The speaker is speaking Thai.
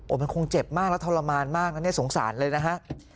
มันคงเจ็บมากแล้วทรมานมากนะเนี่ยสงสารเลยนะฮะ